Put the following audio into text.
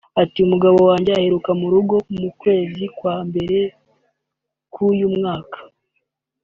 Ati "Umugabo wanjye aheruka mu rugo mu kwezi kwa mbere k’uyu mwaka